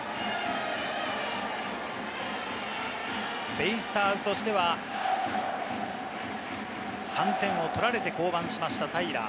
ベイスターズとしては３点を取られて降板しました平良。